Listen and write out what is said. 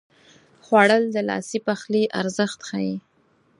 خوړل د لاسي پخلي ارزښت ښيي